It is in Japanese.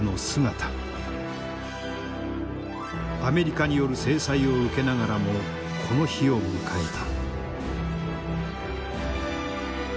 アメリカによる制裁を受けながらもこの日を迎えた。